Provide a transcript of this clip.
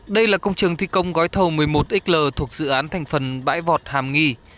đây là công trường thi công gói thầu một mươi một xl thuộc dự án thành phần bãi vọt hàm nghi